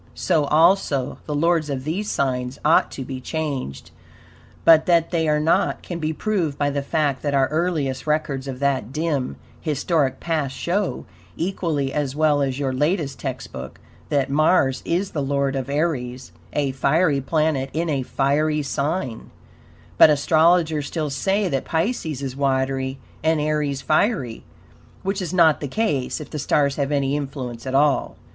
So, also, the lords of these signs ought to be changed, but that they are not can be proved by the fact that our earliest records of that dim, historic past show, equally as well as your latest "text book," that Mars is the lord of Aries a fiery planet in a fiery sign; but astrologers still say that Pisces is watery and Aries fiery, WHICH IS NOT THE CASE, IF THE STARS HAVE ANY INFLUENCE AT ALL.